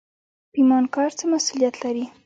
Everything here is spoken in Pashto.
پیمانکار څه مسوولیت لري؟